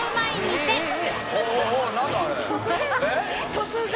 突然。